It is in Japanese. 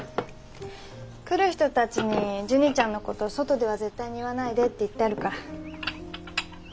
来る人たちにジュニちゃんのこと外では絶対に言わないでって言ってあるから。